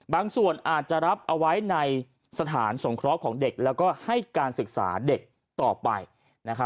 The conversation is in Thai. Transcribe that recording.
ส่วนอาจจะรับเอาไว้ในสถานสงเคราะห์ของเด็กแล้วก็ให้การศึกษาเด็กต่อไป